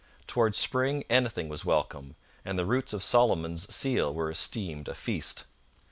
Towards spring anything was welcome, and the roots of Solomon's seal were esteemed a feast.